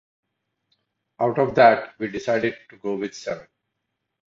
Out of that, we decided to go with seven.